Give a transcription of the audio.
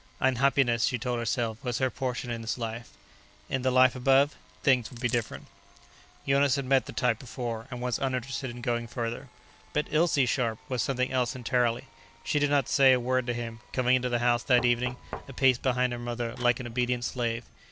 Unhappiness, she told herself, was her portion in this life; in the Life Above, things would be different. Jonas had met the type before, and was uninterested in going further. But Ilse Scharpe was something else entirely. She did not say a word to him, coming into the house that evening, a pace behind her mother, like an obedient slave.